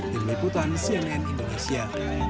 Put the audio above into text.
tim liputan cnn indonesia